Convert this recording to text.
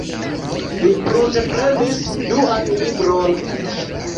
Mi prunteprenis duan libron.